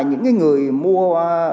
những cái người mua